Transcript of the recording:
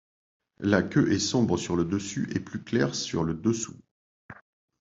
La queue est sombre sur le dessus et plus claire sur le dessous.